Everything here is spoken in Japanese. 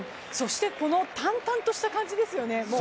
この淡々とした感じですよね。